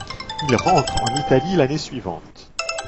Il rentre en Italie l'année suivante.